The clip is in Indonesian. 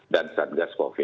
dan satgas covid